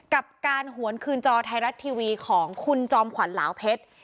กับการหวนคืนจอไทยรัฐทีวีของคุณจอมขวัญลาวเพชร